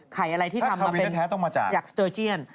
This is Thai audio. ไข่อะไรที่ทำมาเป็นอยากสเตอร์เจียน